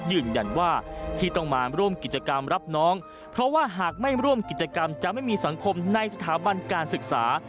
ยืนยันว่าที่ต้องมาร่วมกิจกรรมรับน้องเพราะว่าหากไม่ร่วมกิจกรรมจะไม่มีสังคมในสถาบันการศึกษา